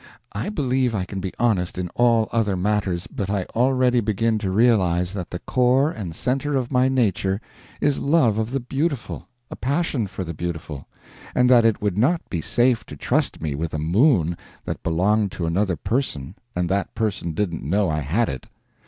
I believe I can be honest in all other matters, but I already begin to realize that the core and center of my nature is love of the beautiful, a passion for the beautiful, and that it would not be safe to trust me with a moon that belonged to another person and that person didn't know I had it.